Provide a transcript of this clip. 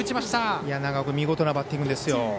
君見事なバッティングですよ。